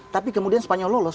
tapi kemudian spanyol lolos